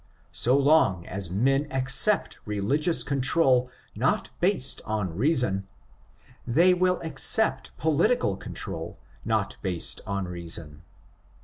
So long as men accept religious control not based on reason, they will accept political control not based on rea son.